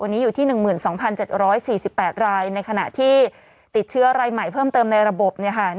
วันนี้อยู่ที่๑๒๗๔๘รายในขณะที่ติดเชื้อรายใหม่เพิ่มเติมในระบบ